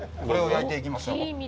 これを焼いていきましょう！